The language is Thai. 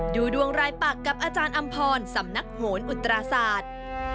ดูดวงรายปักกับอาจารย์อำพรสำนักโหนอุตราศาสตร์